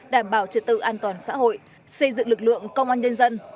đảm bảo trật tự an toàn xã hội xây dựng lực lượng công an nhân dân